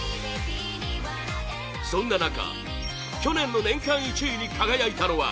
そんな中去年の年間１位に輝いたのは